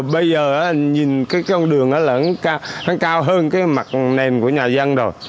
bây giờ nhìn cái con đường nó lẫn cao hơn cái mặt nền của nhà dân rồi